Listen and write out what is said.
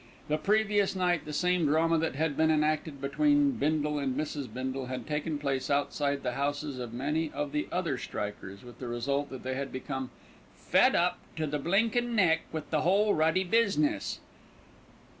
The previous night the same drama that had been enacted between Bindle and Mrs. Bindle had taken place outside the houses of many of the other strikers, with the result that they had become "fed up to the blinkin' neck with the whole ruddy business."